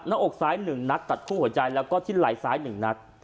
หน้าอกซ้าย๑นัดตัดคู่หัวใจแล้วก็ที่ไหล่ซ้าย๑นัด